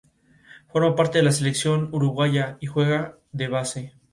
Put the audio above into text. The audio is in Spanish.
Forma parte de la selección Uruguaya y juega de base.